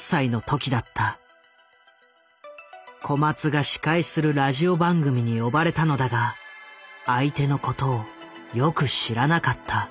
小松が司会するラジオ番組に呼ばれたのだが相手のことをよく知らなかった。